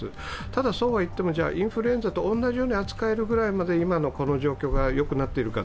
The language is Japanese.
ただ、そうはいっても、インフルエンザと同じように扱えるほど今のこの状況がよくなっているか。